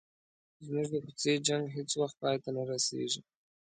زموږ د کوڅې جنګ هیڅ وخت پای ته نه رسيږي.